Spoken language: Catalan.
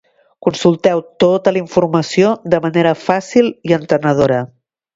Consulteu tota la informació de manera fàcil i entenedora.